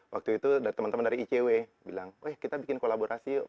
waktu itu dari teman teman dari icw bilang eh kita bikin kolaborasi yuk